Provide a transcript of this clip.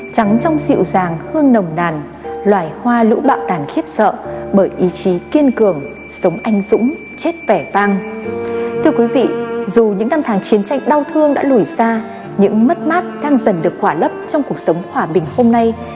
trong những năm tháng chiến tranh đau thương đã lủi ra những mất mát đang dần được hỏa lấp trong cuộc sống hòa bình hôm nay